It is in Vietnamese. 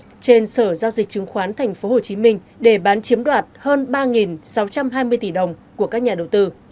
trên sở giao dịch chứng khoán tp hcm để bán chiếm đoạt hơn ba sáu trăm hai mươi tỷ đồng của các nhà đầu tư